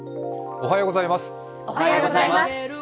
おはようございます。